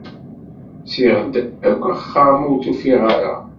Ttiɣ-d akk axxam, ur t-ufiɣ ara.